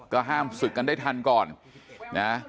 ก็ห้ามศึกกันได้ทันก่อนนะ